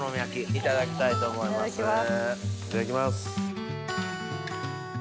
いただきます！